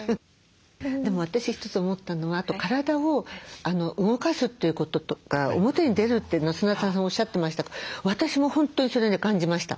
でも私一つ思ったのはあと体を動かすということとか表に出るって砂田さんがおっしゃってましたが私も本当にそれね感じました。